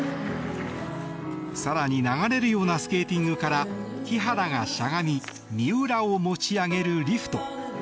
更に、流れるようなスケーティングから木原がしゃがみ三浦を持ち上げるリフト。